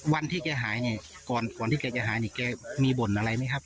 วันที่เก้าหายเนี่ยก่อนที่เก้าจะหายเนี่ยเก้ามีบ่นอะไรมั้ยครับ